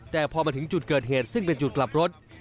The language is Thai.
แต่พอมาถึงจุดเกิดเหตุซึ่งเป็นจุดกลับรถ